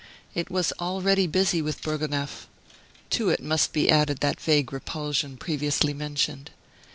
It was already busy with Bourgonef. To it must be added that vague repulsion, previously mentioned.